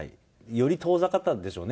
より遠ざかったんでしょうね。